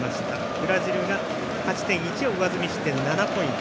ブラジルが勝ち点１を上積みして７ポイント。